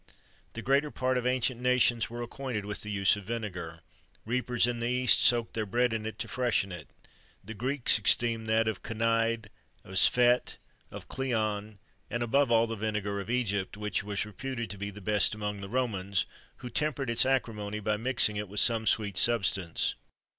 The greater part of ancient nations were acquainted with the use of vinegar. Reapers in the east soaked their bread in it, to freshen it[XXIII 85] The Greeks esteemed that of Cnide, of Sphette, of Cleone, and above all the vinegar of Egypt,[XXIII 86] which was reputed to be the best among the Romans, who tempered its acrimony by mixing with it some sweet substance.